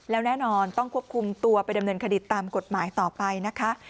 แล้วแน่นอนต้องควบคุมตัวไปดำเนินคดีตามกฎหมายต่อไปนะคะ